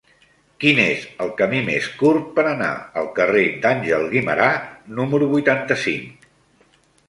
Quin és el camí més curt per anar al carrer d'Àngel Guimerà número vuitanta-cinc?